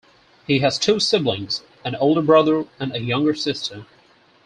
He has two siblings, an older brother and a younger sister.